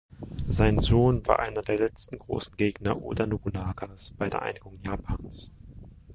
Sein Sohn war einer der letzten großen Gegner Oda Nobunagas bei der Einigung Japans.